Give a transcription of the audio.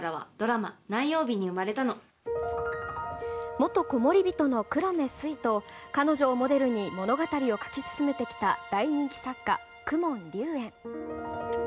元こもりびとの黒目すいと彼女をモデルに物語を書き進めてきた大人気作家・公文竜炎。